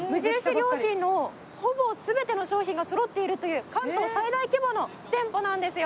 良品のほぼ全ての商品が揃っているという関東最大規模の店舗なんですよ。